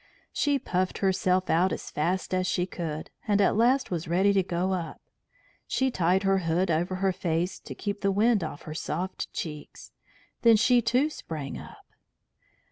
She puffed herself out as fast as she could, and at last was ready to go up. She tied her hood over her face to keep the wind off her soft cheeks. Then she too sprang up.